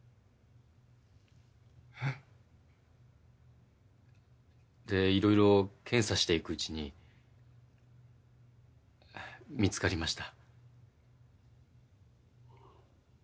えっ？でいろいろ検査していくうちに見つかりました。